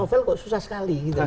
novel kok susah sekali